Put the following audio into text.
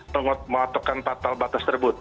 pengototkan fatal batas tersebut